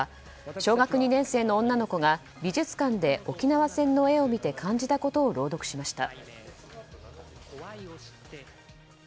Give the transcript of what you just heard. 小学２年生の女の子が美術館で沖縄戦の絵を見て感動したことを朗読しました。